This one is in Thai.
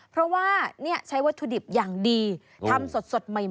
เพราะว่าใช้วัตถุดิบอย่างดีทำสดใหม่